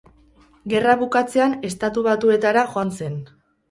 Gerra bukatzean Estatu Batuetara joan zen.